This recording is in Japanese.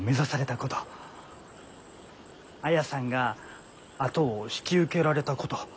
綾さんが後を引き受けられたこと。